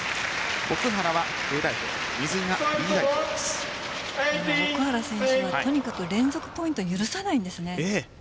奥原はＡ代表奥原選手はとにかく連続ポイントを許さないんですね。